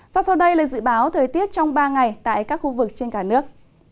và sau đây là dự báo thời tiết trong ba ngày tại các khu vực trên cả nước